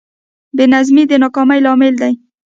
بېنظمي د ناکامۍ لامل دی.